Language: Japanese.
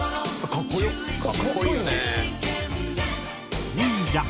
かっこいいよね。